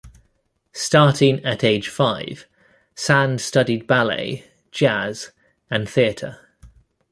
Starting at age five, Sand studied ballet, jazz and theatre.